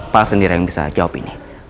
pak sendiri yang bisa jawab ini